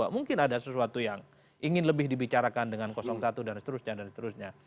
mungkin ada sesuatu yang ingin lebih dibicarakan dengan satu dan seterusnya dan seterusnya